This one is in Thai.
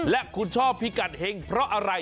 และคุณชอบพิกัดเห็งเพราะอะไร